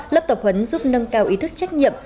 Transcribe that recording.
lớp tập huấn giúp nâng cao ý thức trách nhiệm